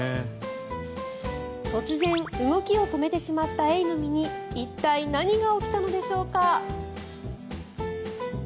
突然、動きを止めてしまったエイの身に一体、何が起きたのでしょうか。